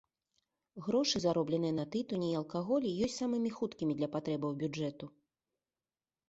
Грошы, заробленыя на тытуні і алкаголі, ёсць самымі хуткімі для патрэбаў бюджэту.